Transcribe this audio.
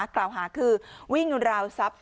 กล่าวหาคือวิ่งราวทรัพย์